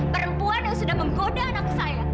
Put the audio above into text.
perempuan yang sudah menggoda anak saya